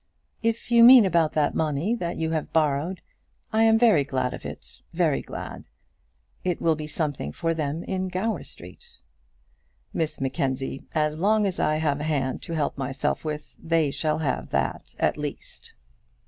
"If you mean about that money that you have borrowed, I am very glad of it very glad of it. It will be something for them in Gower Street." "Miss Mackenzie, as long as I have a hand to help myself with, they shall have that at least.